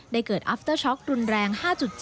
เกิดอัฟเตอร์ช็อกรุนแรง๕๗